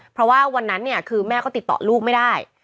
เพราะว่าวันนั้นเนี่ยคือแม่ก็ติดต่อลูกไม่ได้